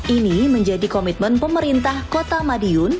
ini menjadi komitmen pemerintah kota madiun